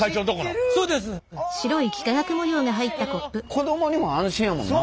子供にも安心やもんなあ。